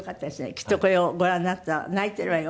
きっとこれをご覧になったら泣いているわよ